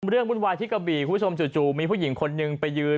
เรื่องบุญวายที่กะบี่ผู้ชมจู่มีผู้หญิงคนหนึ่งไปยืน